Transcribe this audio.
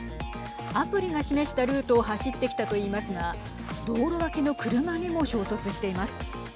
アプリが示したルートを走ってきたと言いますが道路脇の車にも衝突しています。